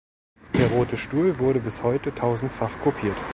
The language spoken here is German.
Der rote Stuhl wurde bis heute tausendfach kopiert.